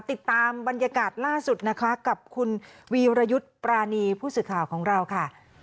ติดตามบรรยากาศล่าสุดนะคะกับคุณวีรยุทธ์ปรานีผู้สื่อข่าวของเราค่ะ